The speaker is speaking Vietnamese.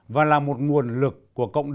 và là một nguồn lực của cộng sản